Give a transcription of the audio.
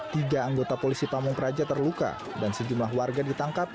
tiga anggota polisi pamungkeraja terluka dan sejumlah warga ditangkap